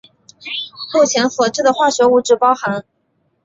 目前所知的化学物质包含。